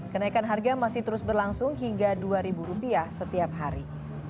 kenaikan harga masih terus berlangsung hingga rp dua setiap hari